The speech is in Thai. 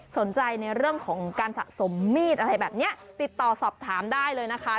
สนใจในเรื่องของการสะสมมีดอะไรแบบนี้ติดต่อสอบถามได้เลยนะคะ